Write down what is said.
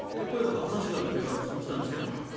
大家さんが話があるってえからすぐ来たんですけども」。